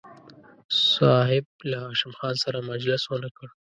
صاحب له هاشم خان سره مجلس ونه کړ.